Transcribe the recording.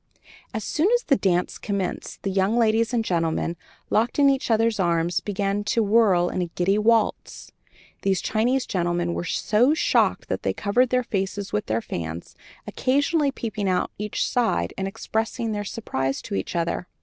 As soon as the dancing commenced, and young ladies and gentlemen, locked in each other's arms, began to whirl in the giddy waltz, these Chinese gentlemen were so shocked that they covered their faces with their fans, occasionally peeping out each side and expressing their surprise to each other.